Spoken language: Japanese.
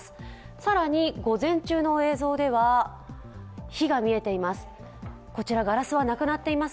更に午前中の映像では、火が見えています。